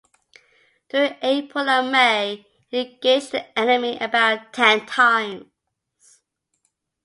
During April and May, he engaged the enemy about ten times.